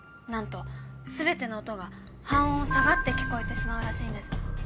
何と全ての音が半音下がって聞こえてしまうらしいんです。